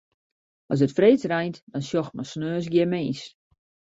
As it freeds reint, dan sjocht men sneons gjin mins.